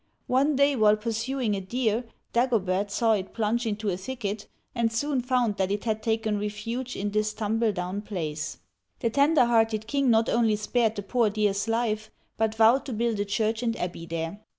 One day, while pursuing a deer, Dagobert saw it plunge into a thicket, and soon found that it had taken refuge in this tumble down place. The tender hearted king not only spared the poor deer's life, but vowed to build a church and abbey there.